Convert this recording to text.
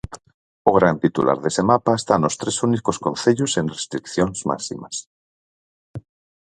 O gran titular dese mapa está nos tres únicos concellos en restricións máximas.